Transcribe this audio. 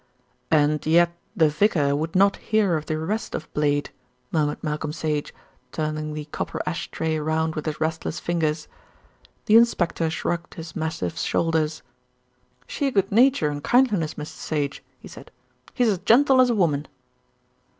"And yet the vicar would not hear of the arrest of Blade," murmured Malcolm Sage, turning the copper ash tray round with his restless fingers. The inspector shrugged his massive shoulders. "Sheer good nature and kindliness, Mr. Sage," he said. "He's as gentle as a woman."